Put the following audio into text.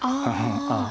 ああ。